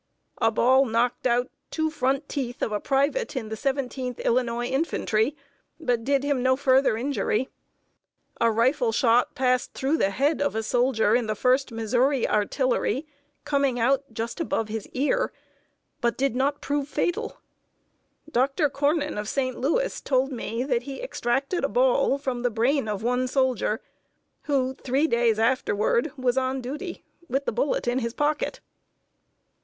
A ball knocked out two front teeth of a private in the Seventeenth Illinois Infantry, but did him no further injury. A rifle shot passed through the head of a soldier in the First Missouri Artillery, coming out just above the ear, but did not prove fatal. Dr. Cornyn, of St. Louis, told me that he extracted a ball from the brain of one soldier, who, three days afterward, was on duty, with the bullet in his pocket.